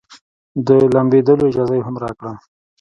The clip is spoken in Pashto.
د لامبېدلو اجازه يې هم راکړه.